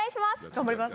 頑張ります。